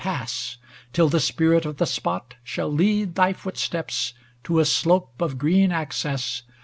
Pass, till the Spirit of the spot shall lead Thy footsteps to a slope of green access.